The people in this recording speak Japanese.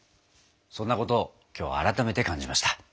そんなことを今日改めて感じました。